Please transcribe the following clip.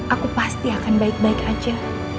aku pasti akan baik baik aja